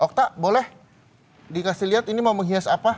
okta boleh dikasih lihat ini mau menghias apa